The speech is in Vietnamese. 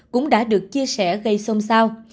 cô gái đã được chia sẻ gây xông sao